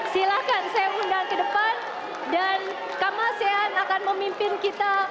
silahkan saya undang ke depan dan kamasean akan memimpin kita